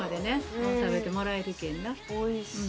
おいしい。